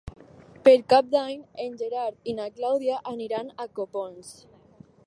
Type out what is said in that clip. Per Cap d'Any en Gerard i na Clàudia aniran a Copons.